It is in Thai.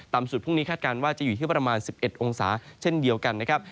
สุดพรุ่งนี้คาดการณ์ว่าจะอยู่ที่ประมาณ๑๑องศาเช่นเดียวกันนะครับ